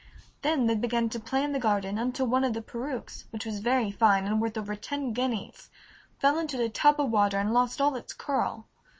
Then they began to play in the garden until one of the perukes, which was very fine and worth over ten guineas, fell into a tub of water and lost all its curl.